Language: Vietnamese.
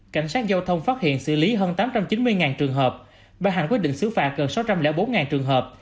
cảnh sát giao thông phát hiện xử lý hơn tám trăm chín mươi trường hợp bài hành quyết định xứ phạt gần sáu trăm linh bốn trường hợp